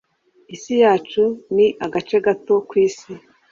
Isi yacu ni agace gato k'isi.